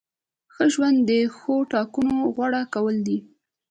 ښه ژوند د ښو ټاکنو غوره کول دي.